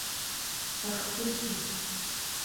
پښتو کې: